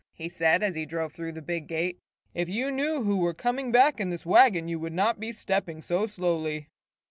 he said, as he drove through the big gate. "If you knew who were coming back in this wagon you would not be stepping so slowly."